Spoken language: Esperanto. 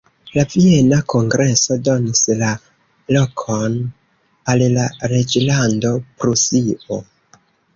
La Viena kongreso donis la lokon al la reĝlando Prusio.